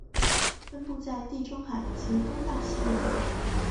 分布于地中海及东大西洋。